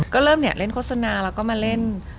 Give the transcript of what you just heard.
ก็เริ่มเล่นโฆษณาแล้วก็มาเล่น